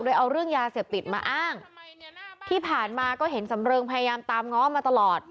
โดยเอาเรื่องยาเสพติดมาอ้างที่ผ่านมาก็เห็นสำเริงพยายามตามง้อมาตลอด